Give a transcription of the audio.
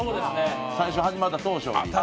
最初、始まった当初より。